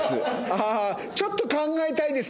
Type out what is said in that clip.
ああちょっと考えたいです